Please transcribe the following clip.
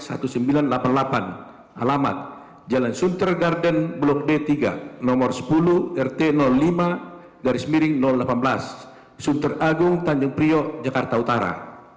alamat jalan sunter garden blok d tiga nomor sepuluh rt lima garis miring delapan belas sunter agung tanjung priok jakarta utara